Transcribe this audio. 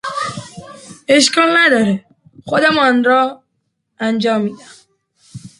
اشکال نداره، خودم آنرا انجام میدهم!